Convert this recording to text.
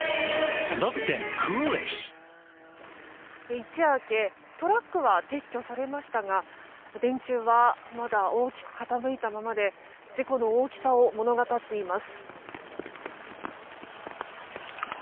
一夜明けトラックは撤去されましたが電柱はまだ大きく傾いたままで事故の大きさを物語っています。